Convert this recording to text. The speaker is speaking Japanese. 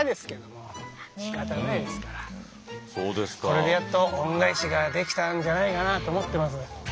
これでやっと恩返しができたんじゃないかなと思ってます。